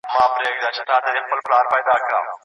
ولې لارښود باید شاګرد ته خپلواکي ورکړي؟